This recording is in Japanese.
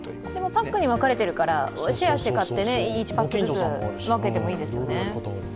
パックに分かれてるから、シェアして買って１パックずつ分けてもいいですよね。